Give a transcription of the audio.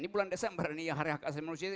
ini bulan desember ini hari hak asli manusia